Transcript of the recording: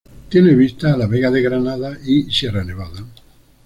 Tiene vistas a la Vega de Granada y Sierra Nevada.